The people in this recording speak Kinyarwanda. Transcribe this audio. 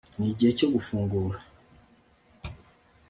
nigihe cyo gufungura